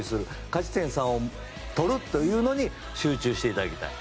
勝ち点３を取るというのに集中していただきたい。